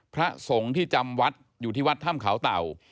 พระสงฆ์ที่จำวัดอยู่ที่วัดถ้ำเขาเต่า